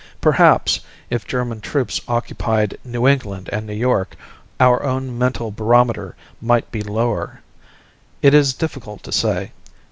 Perhaps, if German troops occupied New England and New York, our own mental barometer might be lower. It is difficult to say.